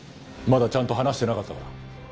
まだちゃんと話してなかったから。